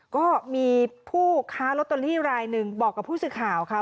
ก็มีผู้ค้าลอตเตอรี่รายหนึ่งบอกกับผู้สื่อข่าวค่ะ